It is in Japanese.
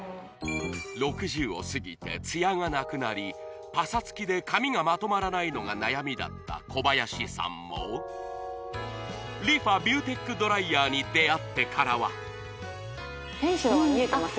６０を過ぎてツヤがなくなりパサつきで髪がまとまらないのが悩みだった小林さんもＲｅＦａビューテックドライヤーに出会ってからは・天使の輪見えてます